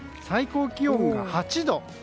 最高気温が８度。